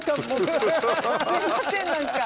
すいません何か。